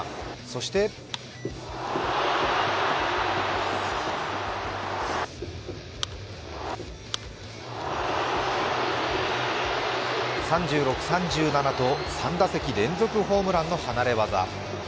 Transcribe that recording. そして３６、３７と３打席連続ホームランの離れ業。